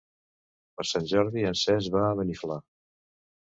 Per Sant Jordi en Cesc va a Beniflà.